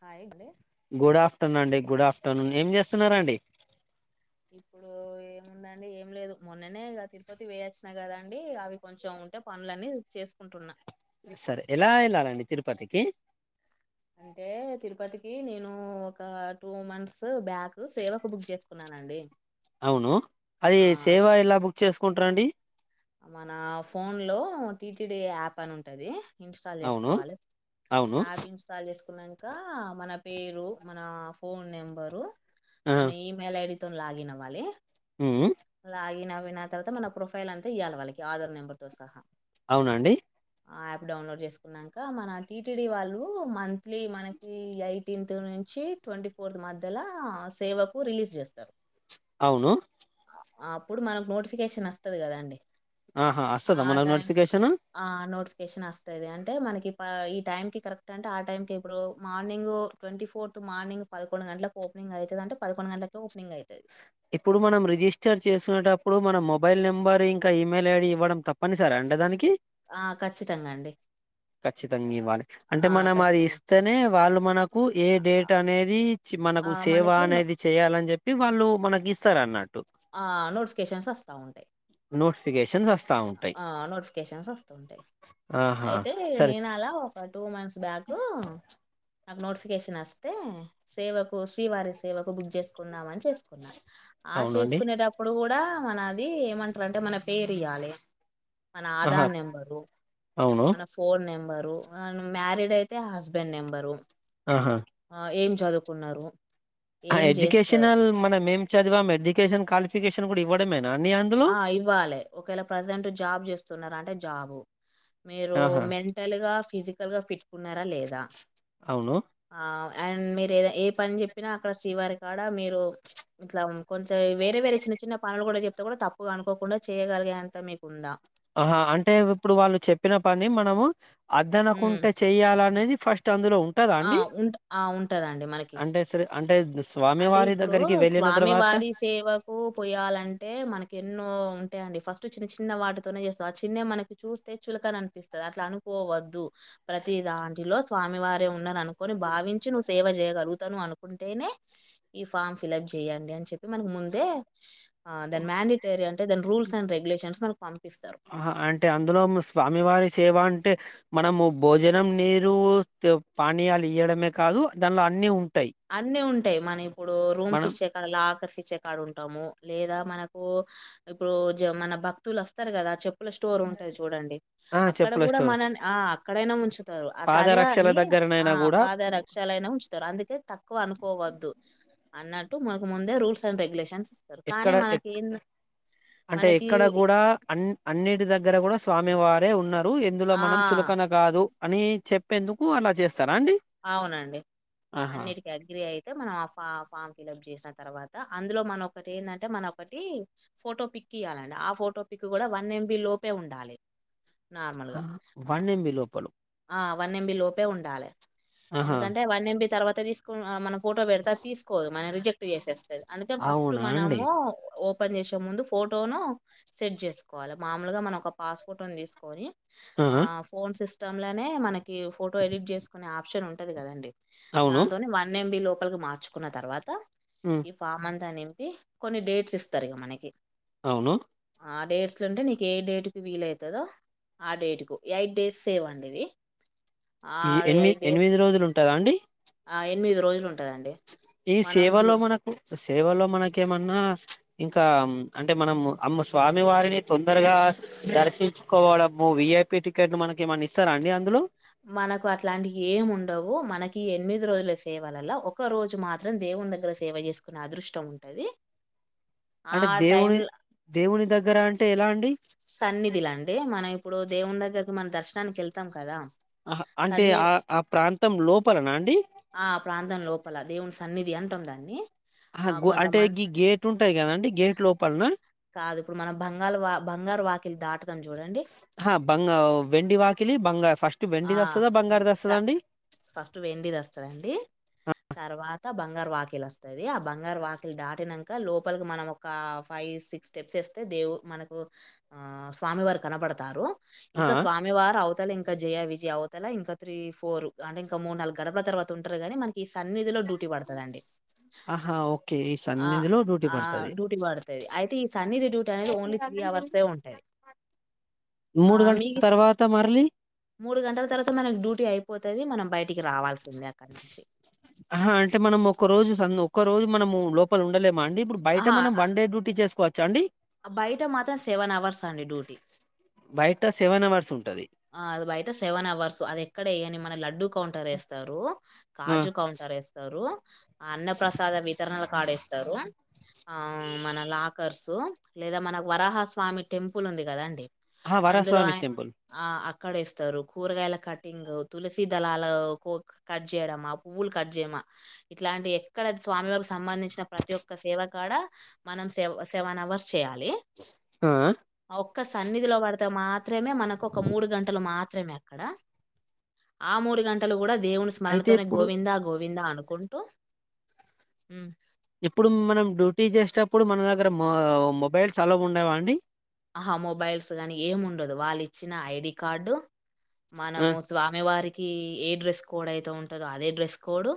Hi మల్లే [inaudible] good afternoon అండి good afternoon ఏం చేస్తున్నారండి [unintelligible] [inaudible] ఉందండి ఏం లేదు మొన్ననేగా తిరుపతి పోయొచ్చినా కదండి అవి కొంచెం ఉంటే పనులన్నీ చేసుకుం కుంటున్నా సరే ఎలా ఎళ్ళాలండి తిరుపతికి అంటే తిరుపతికి నేను ఒక టూ మంత్స్ బ్యాక్ సేవకు బుక్ చేసుకున్నానండి అవును అది ఆ సేవా ఎలా బుక్ చేసుకుంటరండి మన ఫోన్ లో టీటిడి యాప్ అని ఉంటది ఇన్స్టాల్ అవును చేసుకోవాలే అవును యాప్ ఇన్స్టాల్ చేస్ కున్నంక మన పేరు, మన ఫోన్ నెంబరు, ఆ మన ఇమెయిల్ ఐడి తోని లాగిన్ అవ్వాలి ఉమ్ లాగిన్ అయిన తర్వాత మన ప్రొఫైల్ అంత్ ఇయాలి వాళ్ళకి ఆధార్ నెంబర్తో సహా అవునండి యాప్ డౌన్లోడ్ చేసుకున్నాక మన టీటిడీ వాళ్ళు మంత్లీ మనకి ఎయిటీన్త్ ను ఇచ్చి ట్వీ ఫోర్త్ మధ్యలో సేవకు రిలీజ్ చేస్తారు అవును అప్పుడు మనకు నోటిఫికేషన్ వస్తది కదా అండి ఆహా అస్తద మన నోటిఫికేషన్ కెషన్ వస్తాంది అంటే మనకి ఈ టైం కి కరెక్ట్ అంటే ఆ టైం క ఇప్పుడు మార్నింగ్ ట్వంటీ ఫోర్త్ మార్నింగ్ పకొండు గంటలకు ఓపెంగ్ అవుతుందింటే పదకండు గంటలకు ఓపనింగ్ అయింది ఇప్పుడు మనం రిజిస్టర్ చేసుకునేటప్పుడు మన మొబైల్ నెంబర్ ఇంకా ఇమెయిల్ ఐడి ఇవ్వడం తప్పనిసరే అంటే దానికి ఆ ఖచ్చితంగా అండి ఖచ్చితంగా ఇవ్వాలి అంటే ఆ! మనం అది ఖచ్చితంగా. ఇస్తేనే వాళ్ళు మనకు ఏ డేట్ ఆహ్, అనేది మనకు ఆహ్, సేవ మనకి నో అనేది చేయాలని చెప్పి వాళ్ళు మనకి ఇస్తారు అన్నట్టు ఆ నోటిఫికేషన్స్ వస్తా ఉంటాయి నోటిఫికేషన్ వస్తా ఉంటాయి ఆ నోటిఫికేషన్స్ వస్తుంటాయి ఆహా అయితే సరే నేను అలా ఒక టూ మంత్స్ బ్యాక్ నాకు నోటిఫికేషన్ వస్తే సేవకు శ్రీవారి సేవకు బుక్ చేసుకుందామని చేసుకున్నా ఆ అవునండి చేసుకునేటప్పుడు కూడా మన అది ఏమంటారంటే మన పేరు ఇయ్యాలి మన ఆహా ఆధార్ నెంబరు అవును మన ఫోన్ నెంబరు మ్యారీడ్ అయితే హస్బెండ్ నెంబరు ఆహా ఏం చదువుకున్నారు ఏం చేస్తారు ఎడ్యుకేషనల్ మనం ఏం చదివాం ఎడ్యుకేషన్ క్వాలిఫికేషన్ కూడా ఇవ్వడమేం ఆ ఇవ్వాలి ఒకవేళ ప్రజెంట్ జాబ్ చేస్తున్నారు అంటే జాబ్ మీరు ఆహా మెంటల్ గా ఫిజికల్ గా ఫిట్ ఉన్నారా లేదా అవును ఆ అండ్ మీరు ఏద ఏ పని చెప్పినా అక్కడ శ్రీవారి కాడ మీరు ఇట్లా కొంచం వేరే వేరే చిన్న చిన్న పనులు కూడా చెప్తే కూడా తప్పుగా అనుకోకుండా చేయగలిగ అంత మీకుందా ఆహా అంటే ఇప్పుడు వాళ్ళు చెప్పిన పని మనము ఉమ్, అద్దనకుంటే చెయ్యాలనేది ఫస్ట్ అందులో ఉంటదా ఆ అండి ఉంట ఆ ఉంటదండి మనకి అంటే సరే అంటే స్వామి అంటే వారి ఇప్పుడు దగ్గరికి వెళ్ళిన స్వామి తర్వాత వారి సేవకు పోయాలంటే మనకెన్నో అంటే అండి ఫస్ట్ చిన్న చిన్న వాటితోనే చేస్తాం ఆ చిన్న మనకి చూస్తే చులకన అనిపిస్తుంది అట్లా అనుకోవద్దు ప్రతి దాంలో స్వామివారే ఉన్నారని అనుకోని భావించి నువ్వు సేవ చేయగలుగుతాను అనుకుంటేనే ఈ ఫామ్ ఫిలిప్ చెయ్యండి అని చెప్పి మనకు ముందే దెన్ మ్యాండటేరీ అంటే దెన్ రూల్స్ అండ్ రేగులేషన్స్ మకు ఆహ అంటే అందులో స్వామివారి సేవా అంటే మనము భోజనం నీరు పానీయాలు ఇయడమే కాదు దానిలో అన్ని ఉన్ అన్ని ఉంటాయి మనం ఇప్పుడు రూమ్స్ మనం ఇచ్చే కాడ లాకర్స్ ఇచ్చే కాడ ఉంటాము లేదా మనకు ఇప్పుడు జ మన భక్తులు వస్తారు కదా చె ఇల స్టోర్ ఉంటాయి చూడండి ఆ అక్కడ చెప్పుల కూడా స్టోర్ మనని ఆ అక్కడైనా ఉంచుతారు అట్ అదే పాదరక్షల అని ఆ దగ్గరనైనా కూడా పాద రక్షాలైనా ఉంచుతారు అందుకే తక్కువ అనుకోవద్దు అన్నట్టు మనకు ముందే రూల్స్ అండ్ రెగ్యులేషన్స్ ఇస్తారు కానీ ఎక్కడ ఎ మనకి ఏం- అంటే మనకి ఎక్కడ కూడా అ అన్నిటి దగ్గర కూడా స్వామి వారే ఉన్నారు ఎందులో ఆ మనం చులకన కాదు అని చెప్పేందుకు అలా చేస్త అవునండి అన్నిటికి అగ్రి అయి మనం ఆ ఫామ్ ఫిలిప్ చేసిన తర్వాత అందులో మనొ ఒకటి ఏంటంటే మనొ ఒకటి ఫోటో పిక్ పిక్ ఇయాలండి ఆ ఫోటో పిక్ కూడా వన్ ఎంబి లోపే ఉండాలి ఆ నార్మల్గా వన్ ఎంబి లోపల ఆ వన్ ఎంబి లోపే ఉండాలి ఆహా ఎందుకంటే వన్ ఎంబి తర్వాత తీసుకు మనం ఫోటో పెడతే తీసుకోదు మం రిజెక్ట్ చేసేస్త అందుకే ఫస్ట్ అవునా అండి మనము ఓపన్ చేసే ముందు ఫోటోను సెట్ చేసుకోవాలి మామలుగా మనం ఒక పాస్పోటోని తీసుకొని ఆ ఫోన్ సిస్టమ్ లోనే మనకి ఫోటో ఎడిట్ చేసుకునే ఆప్షన్ ఉంటది కదండి అవును దాంతోనే వన్ ఎంబి లోపలికి మార్చుకున్న తర్వాత ఉమ్, ఈ ఫామ్ అంతానిం పి కొన్ని డేట్స్ ఇస్తారు ఇగ మనకి అవును ఆ డేట్స్ అంటే నీకు ఏ డేట్ కి వీల్ అయితదో ఆ డేట్ కు ఎయిట్ డేస్ సేవ్ అ అండి ఇది ఆ ఈ ఎనిమి ఎయిట్ డేస్ ఎనిమిది రోజులు ఉంటదా అండి ఆ ఎనిమిది రోజులు వుం ఈ సేవలో మనకు సేవలో మనకేమన్నా ఇంకా అంటే మనం అమ్మ స్వామి వారిని తొందరగా గా దర్శించుకోవడము విఐపి టికెట్లు మనకి ఏమన్నా ఇస్తారా అండి అందులో మనకు అట్లాంటివి ఏమి ఉండవు మనకి ఎనిమిది రోజుల సేవలలా ఒక రోజు మాత్రం దే వుని దగ్గర సేవ జేసుకునే అదృష్టం ఉంటది ఆ అంటే దేవుని టైంల దేవుని దగ్గర అంటే ఎలా అండి సన్నిధిలా అండి మనం ఇప్పుడు దేవుని దగ్గరికి మన దర్శనానికి ఎళ్తాం కదా అహ అంటే ఆ సన్నిది ఆ ప్రాంతం లోపలనా అండి ఆ ప్రాంతం లోపల దేవుని సన్నిది అంటాం దాన్ని అహ ఆ! గు అంటే కొంతమం గి గేట్ ఉంటాయి కదాండి గేట్ లోపలన కాదు ఇప్పుడు మనం బంగాలు వా బంగారు వాకిలు దాటుతాం జూడండి ఓ వెండి వాకిలి బంగా ఆ స ఫస్ట్ వెండిది వస్తాదండి తర్వా త బంగారు వాకిలి వస్తాది ఆ బంగారు వాకిలు దాటినాంక లోపలికి మనం ఒక ఫైవ్ సిక్స్ స్టెప్స్ దేవ్ మనకు స్వామివారు కనబడతారు ఆ ఇంకా స్వామివారు అవతల ఇం విజయ విజయ్ అవతల ఇంకా త్రీ ఫోర్ అంటే ఇంకా మూడు నాలుగు గడపల తర్వాత ఉంటారుగాని మనకి ఈ సన్నిధిలో డ్యూటీ పడతదండి ఆహా ఓకే ఈ ఆ సన్నిధిలో డ్యూటీ ఆ పడుతది డ్యూటీ బడతది అయితే ఈ సన్నిధి డ్యూటీ అనేది వోండ్లి త్రీ అవర్సే ఉంటాది మూడు గంటల తర్వాత మర్లి మూడు గంటల తర్వాత మనకు డ్యూటీ అయిపోతది మనం బయట ఆహ అంటే మనము ఒక్క రోజు ఒక్క రోజు మనము లోపల ఉండలే మా అండి ఇప్పుడు బయట మనం వన్డే డ్యూటీ చేసుకోవచ్చ అండి అ బయట మాత్రం సెవెన్ అవర్స్ అండి డ్యూటీ బయట సెవెన్ అవర్స్ ఉంటది ఆ అది బయట సెవెన్ అవర్స్ అది ఎక్కడ ఏయని మన లడ్డూ కౌంటర్ ఏస్తారు ఆ కాజు కౌంటర్ ఎస్తారు అన్న ప్రసాదం వితరణలు వాడేస్తారు ఆ మన లాకర్సు లేదా మనకు వరాహస్వామి టెంపుల్ ఉంది కదా అండి ఆహ వరాస్వామి టెంపుల్ అక్కడె ఇస్తారు కూరగాయల కటింగ్ తులసి దళాల కట్ జేయడం ఆ పువ్వులు కట్ జేయడం మా ఇట్లాంటి ఎక్కడ స్వామివారికి సంబంధించిన ప్రతి ఒక్క సేవ కాడ మనం సెవ సెవెన్ అవర్స్ టేయాలి ఆ ఆ ఒక్క సన్నిధిలో పడితే మాత్రమే మన ఒక్క మూడు గంటలు మాత్రమే అక్కడ ఆ మూడు గంటలు కూడా దేవుని అయితే స్మరణతోనే ఇప్పుడు గోవిందా గోవిందా అనుకుంటూ ఉ ఇప్పుడు మనం డ్యూటీ చేసేటప్పుడు మన దగ్గర మొ మొబైల్స్ అలవా ఉండవా అండి ఆహా మొబైల్స్ గానీ ఏముండదు వాళ్ళు ఇచ్చిన ఐడి కార్డు ఆ మనము స్వామివారికి ఏ డ్రెస్ కోడ్ అయితే ఉంటదో అదే డ్రెస్ కోడ్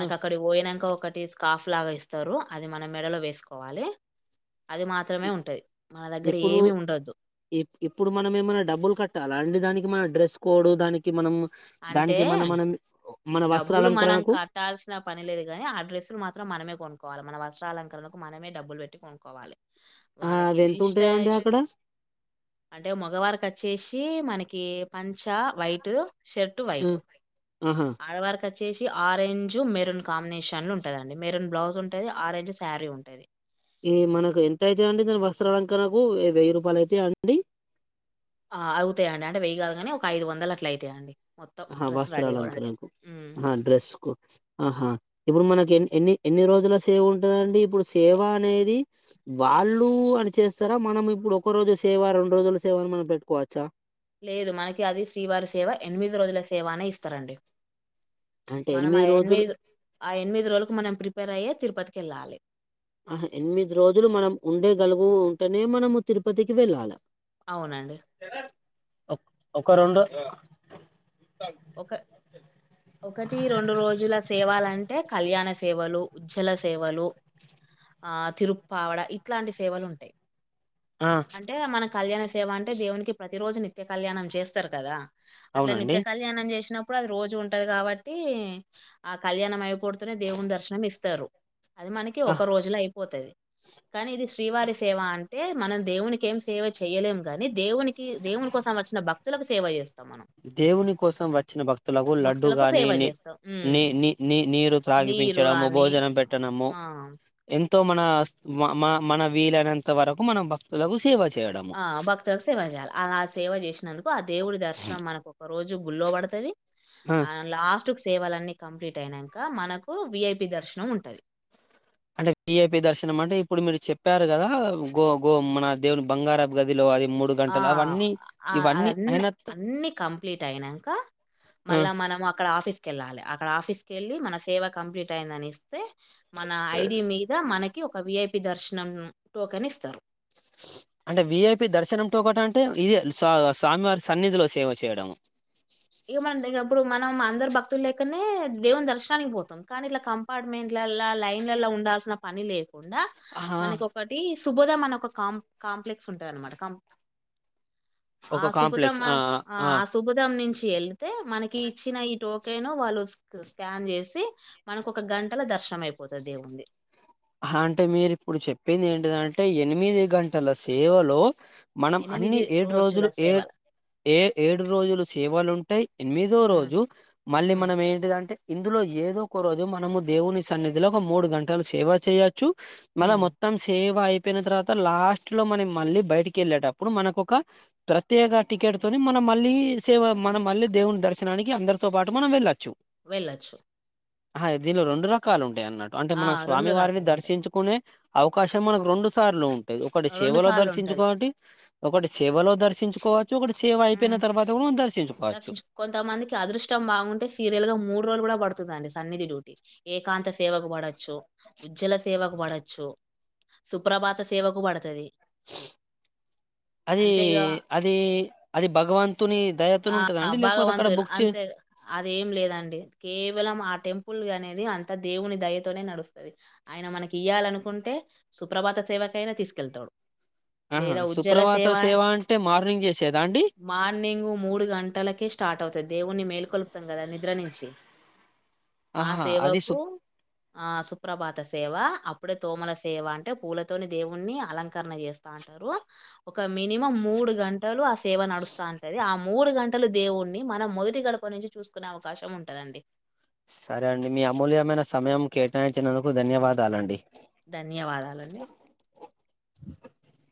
ఆ అక్కడి కి వొయినాంకొ ఒకటి స్కాఫ్ లాగా ఇస్తారు అది మన మెడలో వేసుకోవాలి అది ఇ మాత్రమే ఉంటది మన దగ్ ఇప్పుడు ఇప్పుడు మనం ఏమైనా డబ్బులు కట్టాలా అండి దానికి మన డ్రెస్ కోడ్ దానికి మనం అంటే దానికి మన మనం మన డబ్బులు మనం వస్త్రాలంకరణకు కట్టాల్సిన పని లేదు గాని ఆ డ్రస్సులు మాత్రం మనమే కొను కోవాలి మన వస్త్రాలంకరణకు మనమే డబ్బులు వెట్టి కొనుక్కోవాలి ఆ వాళ్ళకి అవి ఎంత ఉంటాయండి రిసార్ట్స్ అక్కడ అంటే మగవారికి అచ్చేసి సి మనకి పంచ వైటు షర్ట్ ఆ వైటు ఆహా ఆడవారి వచ్చేసి ఆరెంజ్ మెరూన్ కాంబినేషన్ల ఉంటదండి మెరన్ బ్లౌజ్ ఉంటది ఆరెంజ్ శారీ ఉంటది ఈ మనకు ఎంత అయితై అండి వస్త్రాలంకరణకు వెయ్యి రూపాయలు అయితయ అండి ఆ అగుతాయండి అంటే వెయ్యి కాదు కానీ ఒక ఐదు వందలు అట్ల అయితాయండి మొత్తం ఆహా డ్రెస్ రెడీ అవ్వడానికి. వస్త్రాలంకరణకు హ్మ్. ఆహా డ్రెస్ కు ఆహా ఇప్పుడు మనకి ఎన్నీ ఎన్ని ఎన్ని రోజుల సేవ ఉంటదండి ఇప్పుడు సేవ అనేది వాళ్ళు అని చేస్తారా మ మనం ఇప్పుడు ఒక రోజు సేవ రెండు రోజుల సేవ అని మనం పెట్టుకోవచ్చా లేదు మనకి అది శ్రీవారి సేవ ఎనిమిది రోజుల సేవానే ఇస్తారండి అంటే మనం ఆ రోజులు ఎనిమిది ఆ ఎనిమిది రోజులకు మనం ప్రిపేర్ అయ్యే తిరుపతికి కెల్లాలె ఆహా ఎనిమిది రోజులు మనం ఉండేగలుగు ఉంటేనే మనము తిరుపతికి వెళ్ళాల అవునండి ఒక్ ఒక రెండు ఒకటి రెండు రోజుల సేవలంటే కళ్యాణ సేవలు ఉజ్జ్వల సేవలు ఆ తిరుప్పావడ ఇట్లాంటి సేవలు ఉంటాయి ఆ అంటే మన కళ్యాణ సేవ అంటే దేవునికి ప్రతి రోజు నిత్య కళ్యాణం చేస్తారు కదా అట్లా అవునండి నిత్య కళ్యాణం చేసినప్పుడు అది రోజు ఉంటది కాబట్టి ఆ కళ్యాణం అయిపోవుడుతూనే దేవుని దర్శనం ఇస్తారు అది మనకి ఆ ఒక రోజులు అయి పోతది కానీ ఇది శ్రీవారి సేవ అంటే మనం దేవునికి ఏం సేవ చేయ్యలేము గాని దేవుని కి దేవునీ కోసం వచ్చిన భక్తులకు సేవ చేస్ దేవుని కోసం వచ్చిన భక్తులకు లడ్డు భక్తులకు సేవ గానిని జేస్తాం. నీ హ్మ్. నీ నీ నీరు నీరు త్రాగిపించడము గాని భోజనం పెట్టడము ఆ! ఎంత మన మ మన వీలైనంత వరకు మనం భక్తులకు సేవ చే ఆ భక్తులకు సేవ చేయాల అడ సేవ చేసినందుకు ఆ దేవుడి దర్శనం మనకు ఒక రోజు గుల్లో వడుతది ఆ, అ లాస్ట్ కు సేవాల అన్నీ కంప్లీట్ అయినంక మనకు విఐపి దర్శనం ఉంటది అంటే విఐపి దర్శనం అంటే ఇప్పుడు మీరు చెప్పారు కదా గో గో మన దేవుని బంగారపు గదిలో అది మూడు ఆ గంటలు అవన్నీ ఇవన్నీ అదన్ని అయిన త- అన్ని కంప్లీట్ అయినంక ఆ, మళ్ళ మనము అక్కడ ఆఫీస్ కేళ్ళాలే అక్కడ ఆఫీస్ కేళ్ళి మన సేవ కంప్లీట్ అయిందనిస్తే మన ఐడి మీద మనకి ఒక విఐప్ పి దర్శనం టోకెన్ ఇస్తారు అంటే విఐపి దర్శనం టోకటు అంటే ఇదే స స్వామివారి సన్నిధిలో సేవ చేయడం ఇక మనం ఇప్పుడు మనం అందరు భక్తులు లేకనే దేవుని దర్శనానికి బోతాం కానీ ఇట్లా కంపార్ట్మెంట్లల్ల లైన్లలా ఉండాల్ ల్సిన పని లేదు కాకుండా ఆహా, మనకు ఒకటి సుభదం అని ఒక కాం కాంప్లెక్స్ ఉంటదాన్మాట కం ఆ ఒక కాంప్లెక్స్ సుభతమ్మా ఆ ఆ సుభతం నిం ఏళ్తే మనకి ఇచ్చిన ఈ టోకెను వాళ్ళు స్కాన్ చేసి మన ఒక గంటల ద నష్టం అయిపోతుది ఏం ఉంది హాంటే మీరు ఇప్పుడు చెప్పింది ఏంటిదంటే ఎనిమిది గంటల సేవలో మనం అన్ని ఎనిమిది ఏడు రోజుల రోజులు ఏ సేవలు ఏ ఏడు రోజులు సేవలు ఉంటాయి ఎనిమిదో ఉమ్ రోజు మళ్ళీ ఉమ్ మనం ఏంటిదంటే ఇందులో ఏదో ఒక రోజు మనము దేవుని సన్నిధిలో ఒక మూడు గంటలు సేవ చేయచ్చు మల ఉమ్ మొత్తం సేవ అయి పోయిన తర్వాత లాస్ట్ లో మనం మళ్ళీ బయటికి కేళ్ళేటప్పుడు మనకు ఒక ప్రత్యేక టికెట్ తోని మనం మళ్ళీ సేవ మనం మళ్ళీ దేవుని దర్శనానికి అందరితో పాటు మనం వెళ్ళచ్చు వెళ్ళొచ్చు అహా దీనిలో రెండు రకాలు ఉంటాయి అన్నట్టు అంటే ఆ మనం రెండు స్వామి వారిని రకాలు ఉంటాయి దర్శించుకునే అవకాశం మనకు రెండు సార్లు ఉంటాది ఒకటి రెండు సేవల సార్లు ఉంటది దర్శించుకోనటి ఒకటి సేవలో దర్శించుకోవ దర్శించు కొంతమందికి అదృష్టం బాగుంటే సీరియల్ గా మూడు రోజులు కూడా పడు డి సన్నిధి డ్యూటీ ఏకాంత సేవకు పడొచ్చు ఉజ్జ్వల సేవకు పడొచ్చు సుప్రభాత సేవకు పడతది అది అంతేగా అది అది భగవంతుని దయతోని ఆ ఉంటదా అండి? లేకపోతే అక్కడ భగవంతులు బుక్ చే అంతే అదేం లేదండి కేవలం ఆ టెంపుల్ అనేది అంత దేవుని దయతోనే నడుస్తుంది ఆయన మనకి ఇయ్యాలనుకుంటే సుప్రభాత సేవకైనా తీసుకెళ్తాడు ఆహా లేదా సుప్రభత సేవ అంటే మార్నింగ్ చేసే మార్నింగు మూడు గంటలకే స్టా స్టార్ట్ అవుతది దేవుణ్ణి మేలుకొలుపుతాం కదా నిద్ర నుంచి ఆ ఆహా! అది సు సేవకు ఆ సుప్రభాత సేవ అప్పుడే తోమల సేవ అంటే పూలతోని దేవుణ్ణి అలంకరణ చేస్తా అంటారు ఒక మినిమం మూడు గంటలు ఆ సేవ నడుస్తా ఉంటది ఆ మూడు గంటలు దేవుణ్ణి మన మొదటి గడప నుంచి చూసుకునే అవకాశం ఉంటుందండి సరే అండి మీ అమూల్యమైన సమయం కేటాయించినందుకు ధన్యవాదాలండి ధన్యవాదాలండి [inaudible]